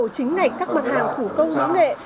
chính ngạch các mặt hàng thủ công nguyên nghệ